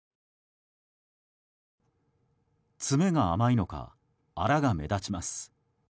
詰めが甘いのか粗が目立ちます。